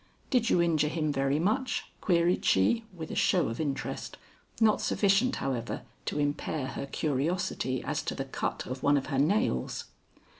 "Did you injure him very much?" queried she, with a show of interest; not sufficient however to impair her curiosity as to the cut of one of her nails.